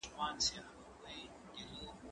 زه به درسونه اورېدلي وي؟